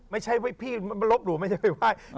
ไม่ใช่ว่าพี่ลบหรูไม่ใช่ไปไหว้